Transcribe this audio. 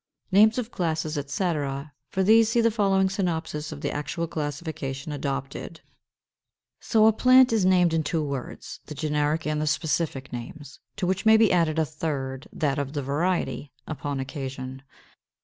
542. =Names of Classes, etc.= For these see the following synopsis of the actual classification adopted, p. 183. 543. So a plant is named in two words, the generic and the specific names, to which may be added a third, that of the variety, upon occasion.